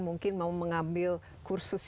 mungkin mau mengambil kursus